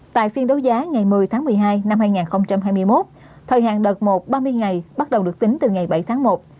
tại phiên đấu giá ngày một mươi tháng một mươi hai năm hai nghìn hai mươi một thời hạn đợt một ba mươi ngày bắt đầu được tính từ ngày bảy tháng một